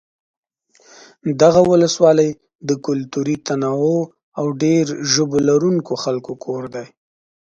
دغه ولسوالۍ د کلتوري تنوع او ډېر ژبو لرونکو خلکو کور دی.